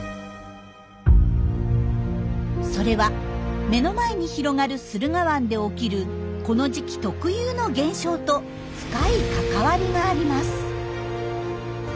それは目の前に広がる駿河湾で起きるこの時期特有の現象と深い関わりがあります。